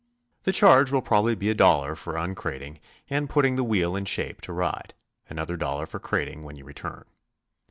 The charge will probably be a dollar for uncrating and putting the wheel in shape to ride; another dollar for crating when you return.